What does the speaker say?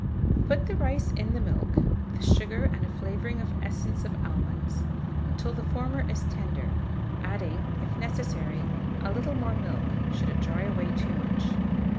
Boil the rice in the milk, with sugar and a flavouring of essence of almonds, until the former is tender, adding, if necessary, a little more milk, should it dry away too much.